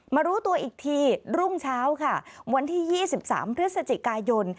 รู้ตัวอีกทีรุ่งเช้าค่ะวันที่๒๓พฤศจิกายน